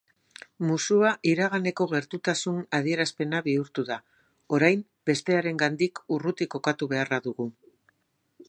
Musua iraganeko gertutasun adierazpena bihurtu da, orain bestearengandik urruti kokatu beharra dugu.